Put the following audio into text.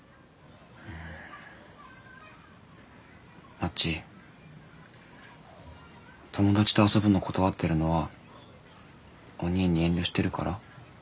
まち友達と遊ぶの断ってるのはおにぃに遠慮してるから？